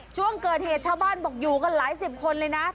ช่วงเกิดเหตุชาวบ้านบอกอยู่กันหลายสิบคนเลยนะ